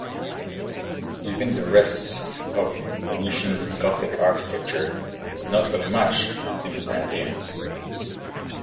Even the rest of Venetian Gothic architecture does not owe much to Byzantium.